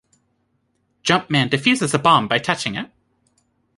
Jumpman defuses a bomb by touching it.